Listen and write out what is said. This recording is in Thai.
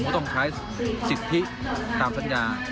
ก็ต้องใช้สิทธิตามสัญญา